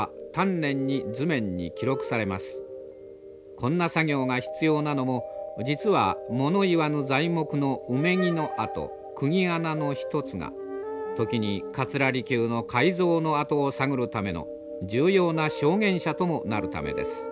こんな作業が必要なのも実は物言わぬ材木の埋木の跡くぎ穴の一つが時に桂離宮の改造の跡を探るための重要な証言者ともなるためです。